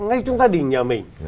ngay trong gia đình nhà mình